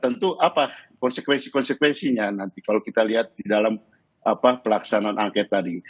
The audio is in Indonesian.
tentu apa konsekuensi konsekuensinya nanti kalau kita lihat di dalam pelaksanaan angket tadi